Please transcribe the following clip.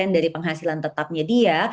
dari penghasilan tetapnya dia